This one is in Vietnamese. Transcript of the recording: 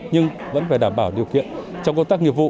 nhưng vẫn phải đảm bảo điều kiện trong công tác nghiệp vụ